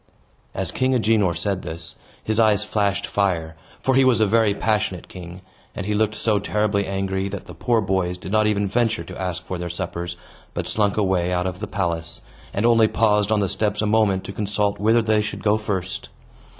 As King Agenor said this, his eyes flashed fire (for he was a very passionate king), and he looked so terribly angry that the poor boys did not even venture to ask for their suppers, but slunk away out of the palace, and only paused on the steps a moment to consult whither they should go first.